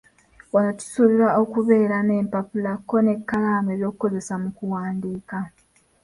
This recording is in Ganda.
Wano tusuubirwa okubeera n'empapula ko n'ekkalamu eby'okukozesa mu kuwandiika.